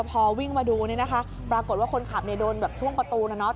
พอวิ่งมาดูเนี่ยนะคะปรากฏว่าคนขับเนี่ยโดนแบบช่วงประตูนะเนาะ